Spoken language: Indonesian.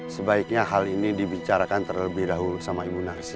sebaiknya hal ini dibicarakan terlebih dahulu sama ibu narsi